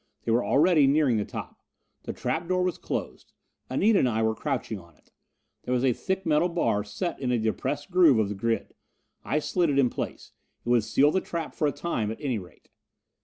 They were already nearing the top. The trap door was closed: Anita and I were crouching on it. There was a thick metal bar set in a depressed groove of the grid. I slid it in place it would seal the trap for a time, at any rate.